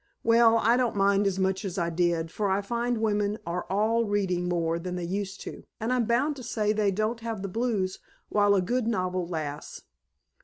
Well, I don't mind as much as I did, for I find women are all reading more than they used to, and I'm bound to say they don't have the blues while a good novel lasts.